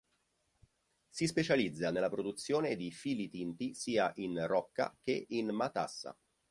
Si specializza nella produzione di "fili tinti" sia "in rocca" che "in matassa".